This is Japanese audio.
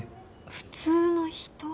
普通の人？